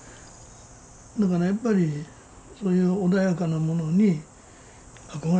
だからやっぱりそういう穏やかなものに憧れてきたんよね